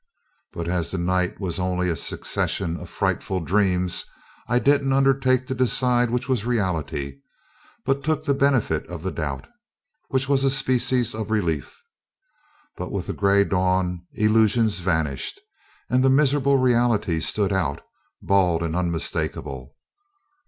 But, as the night was only a succession of frightful dreams, I didn't undertake to decide which was reality, but took the benefit of the doubt, which was a species of relief. But with the gray dawn illusions vanished, and the miserable reality stood out, bald and unmistakable.